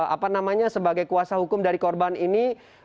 apa namanya sebagai kuasa hukum dari korban ini